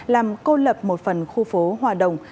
làm cô lập một phần khu phố hòa đồng